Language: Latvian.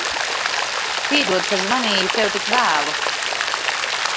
Piedod, ka zvanīju tev tik vēlu.